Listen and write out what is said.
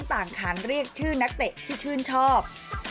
ต่างขานเรียกชื่อนักเตะที่ชื่นชอบ